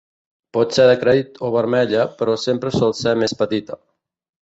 Pot ser de crèdit o vermella, però sempre sol ser més petita.